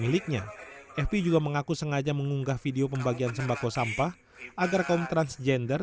miliknya fpi juga mengaku sengaja mengunggah video pembagian sembako sampah agar kaum transgender